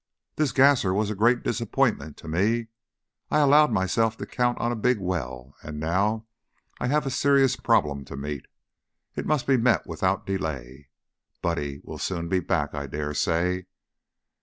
This gasser was a great disappointment to me. I allowed myself to count on a big well, and now I have a serious problem to meet. It must be met without delay. Buddy will soon be back, I dare say?"